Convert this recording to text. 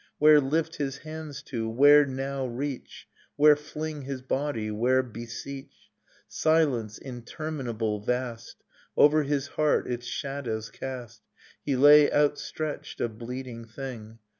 Where lift his hands to, where now reach, Where fling his body, where beseech? ... Silence, interminable, vast, Over his heart its shadow cast, He lay outstretched, a bleeding thing